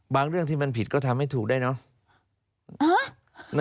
เรื่องที่มันผิดก็ทำให้ถูกได้เนอะ